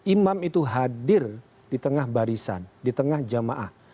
imam itu hadir di tengah barisan di tengah jamaah